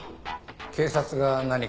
警察が何か？